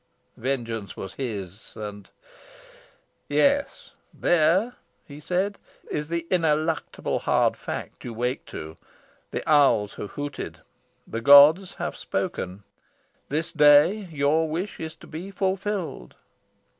Vengeance was his, and "Yes, there," he said, "is the ineluctable hard fact you wake to. The owls have hooted. The gods have spoken. This day your wish is to be fulfilled."